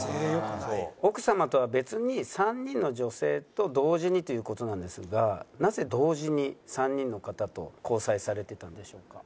「奥様とは別に３人の女性と同時にという事なんですがなぜ同時に３人の方と交際されていたんでしょうか？」。